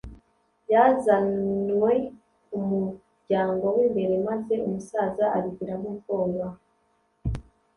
yazanwe ku muryango w'imbere maze umusaza abigiramo ubwoba